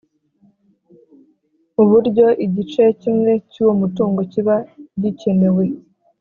Uburyo igice kimwe cy’uwo mutungo kiba gikenewe